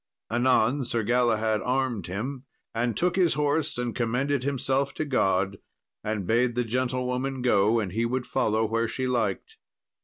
Anon Sir Galahad armed him, and took his horse, and commended himself to God, and bade the gentlewoman go, and he would follow where she liked.